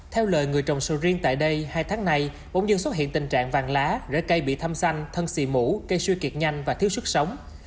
theo lời người trồng sầu riêng tại đây hai tháng nay ông dương xuất hiện tình trạng vàng lá rễ cây bị thăm xanh thân xì mũ cây siêu kiệt nhanh và thiếu sức sống